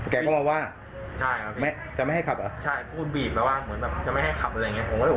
แกก็บอกว่าใช่ครับพี่จะไม่ให้ขับเหรอใช่พูดบีบแล้วว่าเหมือนแบบจะไม่ให้ขับอะไรอย่างเงี้ย